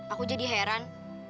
aku jadi heran